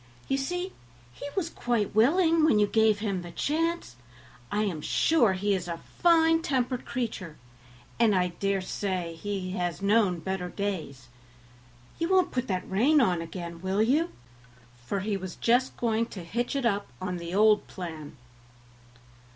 "You see he was quite willing when you gave him the chance; I am sure he is a fine tempered creature, and I dare say has known better days. You won't put that rein on again, will you?" for he was just going to hitch it up on the old plan.